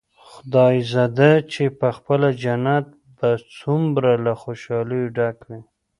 خدايزده چې پخپله جنت به څومره له خوشاليو ډک وي.